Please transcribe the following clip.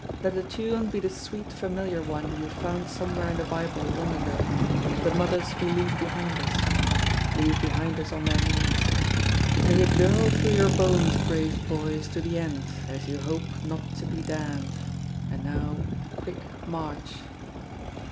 Let the tune be the sweet familiar one you found somewhere in the Bible long ago, "The mothers we leave behind us" leave behind us on their knees. May it dirl through your bones, brave boys, to the end, as you hope not to be damned. And now, quick march.